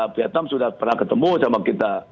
vietnam sudah pernah ketemu sama kita